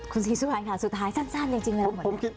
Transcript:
คุณศิษย์สุดท้ายค่ะสุดท้ายสั้นจริงเลยหรือเปล่า